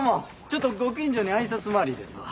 ちょっとご近所に挨拶回りですわ。